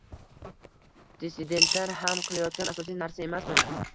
“dissidentlar” ham qilayotgan asosiy narsa emasmi?